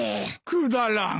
くだらん。